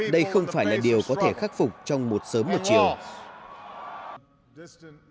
đây không phải là điều có thể khắc phục trong một sớm một chiều